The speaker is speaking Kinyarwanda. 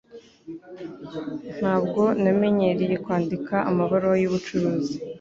Ntabwo namenyereye kwandika amabaruwa yubucuruzi